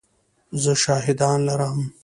زه شاهدان لرم !